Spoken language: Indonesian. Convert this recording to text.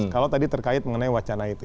kalau tadi terkait mengenai wacana itu